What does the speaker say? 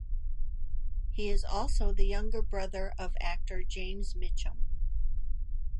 He is also the younger brother of actor James Mitchum.